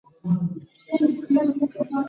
Uliibuka utitiri wa vyombo vya habari